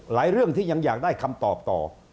เรื่องที่ยังอยากได้คำตอบต่อ